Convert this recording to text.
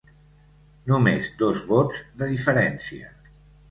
Només dos vots de diferència.